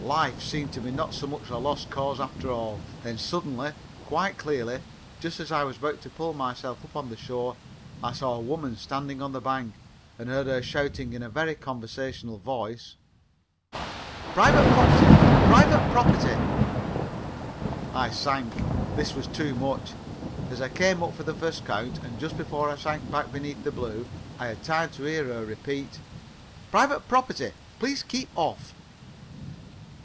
Life seemed to be not such a lost cause after all. Then suddenly, quite clearly, just as I was about to pull myself up on the shore, I saw a woman standing on the bank and heard her shouting in a very conventional voice: "Private property! Private property!" I sank. This was too much. As I came up for the first count, and just before I sank back beneath the blue, I had time to hear her repeat: "Private property! Please keep off!"